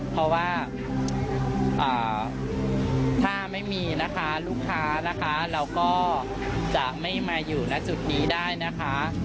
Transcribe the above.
เพราะว่าถ้าไม่มีนะคะลูกค้านะคะเราก็จะไม่มาอยู่ณจุดนี้ได้นะคะ